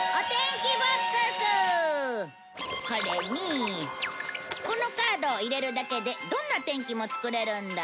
これにこのカードを入れるだけでどんな天気もつくれるんだ。